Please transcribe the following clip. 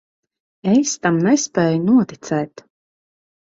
Es tam nespēju noticēt.